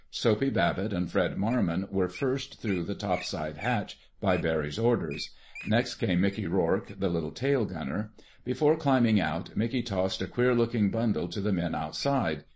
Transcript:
Soapy Babbitt and Fred Marmon were first through the topside hatch, by Barry's orders. Next came Mickey Rourke, the little tail gunner. Before climbing out, Mickey tossed a queer looking bundle to the men outside.